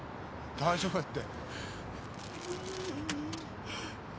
大丈夫だって。